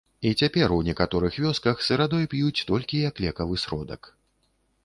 І цяпер у некаторых вёсках сырадой п'юць толькі як лекавы сродак.